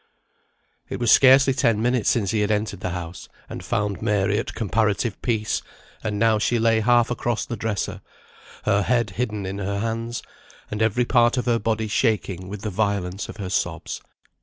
It was scarcely ten minutes since he had entered the house, and found Mary at comparative peace, and now she lay half across the dresser, her head hidden in her hands, and every part of her body shaking with the violence of her sobs.